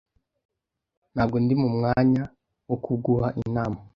Ntabwo ndi mu mwanya wo kuguha inama.